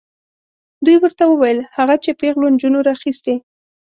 دوی ورته وویل هغه چې پیغلو نجونو راخیستې.